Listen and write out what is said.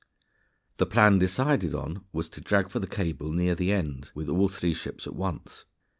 The plan decided on was to drag for the cable near the end with all three ships at once.